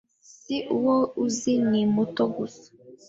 si uwo uzi ni muto gusa